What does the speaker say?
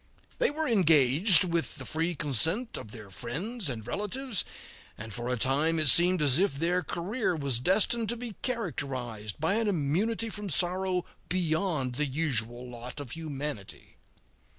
They were engaged, with the free consent of their friends and relatives, and for a time it seemed as if their career was destined to, be characterized by an immunity from sorrow beyond the usual lot of humanity.